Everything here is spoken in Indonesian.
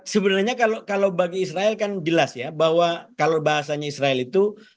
sebenarnya kalau bagi israel kan jelas ya bahwa kalau bahasanya israel itu